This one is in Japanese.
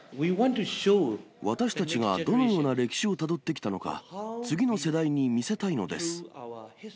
私たちがどのような歴史をたどってきたのか、次の世代に見せたいのです。